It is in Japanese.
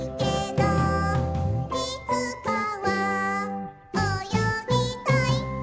「いつかは泳ぎたい！」